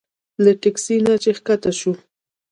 له تکسي نه چې ښکته شوو.